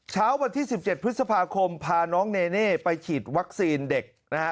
เช้าวันที่๑๗พฤษภาคมพาน้องเนเน่ไปฉีดวัคซีนเด็กนะฮะ